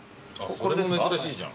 それも珍しいじゃん。